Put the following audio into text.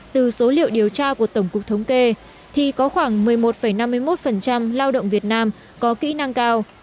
theo cuộc tổng cục thống kê thì có khoảng một mươi một năm mươi một lao động việt nam có kỹ năng cao